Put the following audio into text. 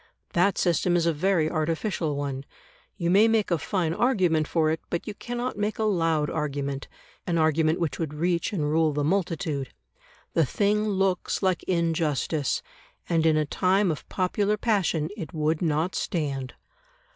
That system is a very artificial one; you may make a fine argument for it, but you cannot make a loud argument, an argument which would reach and rule the multitude. The thing looks like injustice, and in a time of popular passion it would not stand.